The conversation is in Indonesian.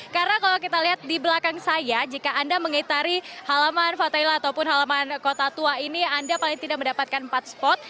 karena kalau kita lihat di belakang saya jika anda mengitari halaman fathahila ataupun halaman kota tua ini anda paling tidak mendapatkan empat spot